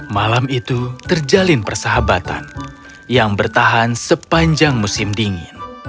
malam itu terjalin persahabatan yang bertahan sepanjang musim dingin